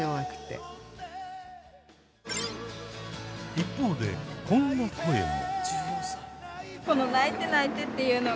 一方でこんな声も。